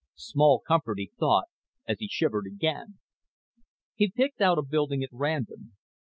Small comfort, he thought, as he shivered again. He picked out a building at random.